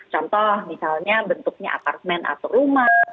contoh misalnya bentuknya apartemen atau rumah